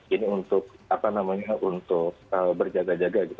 ini untuk apa namanya untuk berjaga jaga gitu